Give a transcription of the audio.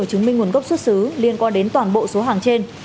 chứng minh nguồn gốc xuất xứ liên quan đến toàn bộ số hàng trên